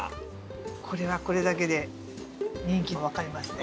これはこれだけで人気もわかりますね。